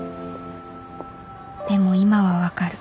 でも今は分かる